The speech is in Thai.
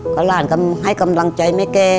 ก็หลานก็ให้กำลังใจแม่แก